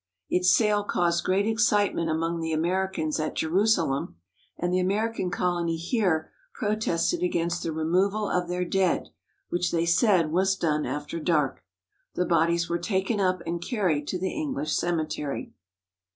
Its sale caused great excitement among the Americans at Jerusalem, and the American colony here protested against the removal of their dead, which they said was done after dark. The bodies were taken up and carried to the English cemetery.